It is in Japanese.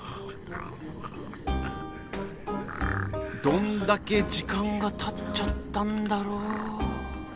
どんだけ時間がたっちゃったんだろう。